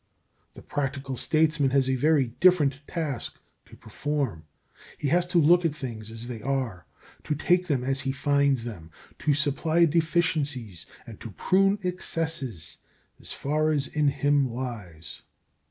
The practical statesman has a very different task to perform. He has to look at things as they are, to take them as he finds them, to supply deficiencies and to prune excesses as far as in him lies.